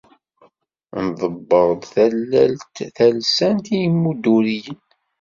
Nḍebber-d tallelt talsant i imedduriyen.